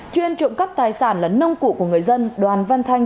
chuyên trụng cấp tài sản lấn nông cụ của người dân đoàn văn thanh